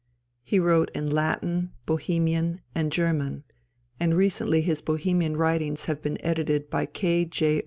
He wrote in Latin, Bohemian, and German, and recently his Bohemian writings have been edited by K.